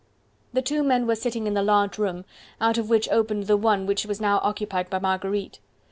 The two men were sitting in the large room, out of which opened the one which was now occupied by Marguerite.